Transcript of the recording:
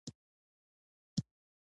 شینې ځمکې او زړونه په روښانه شي.